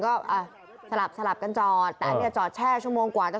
ก็อ่ะสลับสลับกันจอดแต่อันนี้จอดแช่ชั่วโมงกว่าจะ